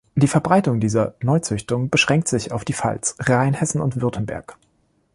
Die Verbreitung dieser Neuzüchtung beschränkt sich auf die Pfalz, Rheinhessen und Württemberg.